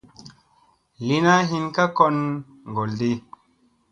Lina hin ka kon ŋgolɗi.